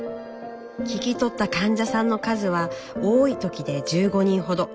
聞き取った患者さんの数は多い時で１５人ほど。